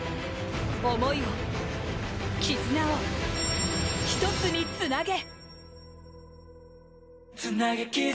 思いを、絆を一つにつなげ。